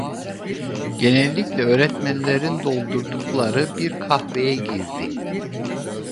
Genellikle öğretmenlerin doldurdukları bir kahveye girdi.